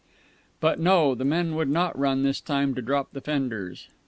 But no; the men would not run this time to drop the fenders.